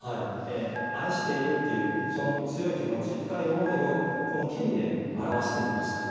愛しているっていうその強い気持ち深い思いをこの「けり」で表してみました。